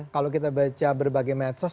kalau kita baca berbagai medsos